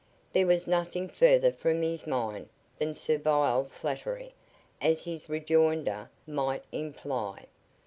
There was nothing further from his mind than servile flattery, as his rejoinder might imply.